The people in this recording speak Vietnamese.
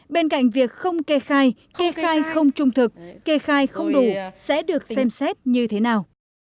bên cạnh việc không kê khai kê khai không trung thực kê khai không đủ sẽ được xem xét như thế nào